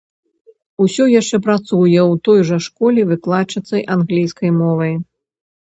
Усё яшчэ працуе ў той жа школе выкладчыцай англійскай мовы.